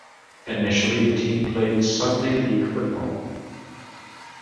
Initially the team played Sunday league football.